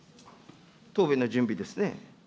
答弁の準備ですね。